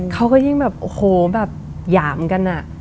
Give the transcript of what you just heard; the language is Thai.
เขาก็ยิ่งแบบฐโห้แบบหยามกัน